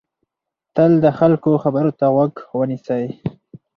تل د خلکو خبرو ته غوږ ونیسئ.